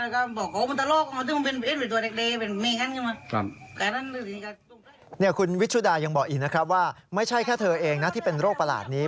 คุณวิชุดายังบอกอีกนะครับว่าไม่ใช่แค่เธอเองนะที่เป็นโรคประหลาดนี้